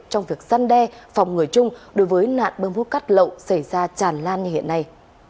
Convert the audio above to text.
trong việc săn đe phòng người chung đối với nạn bơm hút cát lậu xảy ra tràn lan như hiện nay